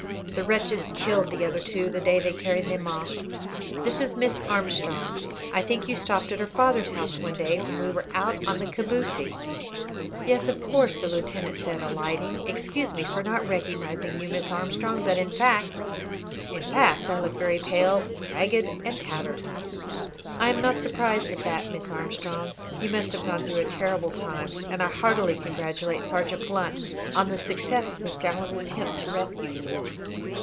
"The wretches killed the other two the day they carried them off. This is Miss Armstrong. I think you stopped at her father's house one day when we were out on the Kabousie." "Yes, of course," the lieutenant said, alighting. "Excuse me for not recognising you, Miss Armstrong; but, in fact " "In fact, I look very pale, and ragged, and tattered." "I am not surprised at that, Miss Armstrong. You must have gone through a terrible time, and I heartily congratulate Sergeant Blunt on the success of his gallant attempt to rescue you."